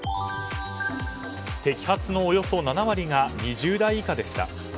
摘発のおよそ７割が２０代以下でした。